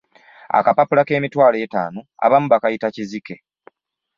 Akapapula ak'emitwalo etaano abamu bakayita kizike.